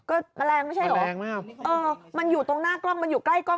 เออมันแรงไม่ใช่เหรอมันอยู่ตรงหน้ากล้องมันอยู่ใกล้กล้อง